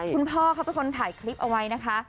คุณพ่อเขาไปตายคลิปเอาไว้นะคะ